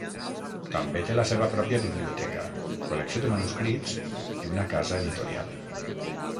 Té també la seva pròpia biblioteca, col·lecció de manuscrits, i una casa editorial.